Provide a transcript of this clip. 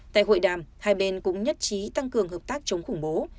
tại hội đàm hai bên cũng nhất trí tăng cường hợp tác chống khủng bố